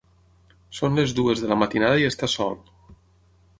Són les dues de la matinada i està sol.